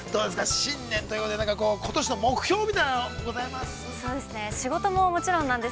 新年ということで何か、ことしの目標みたいなのございます？